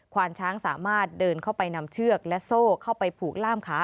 วานช้างสามารถเดินเข้าไปนำเชือกและโซ่เข้าไปผูกล่ามขา